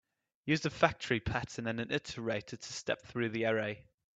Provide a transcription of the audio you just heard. Use the factory pattern and an iterator to step through the array.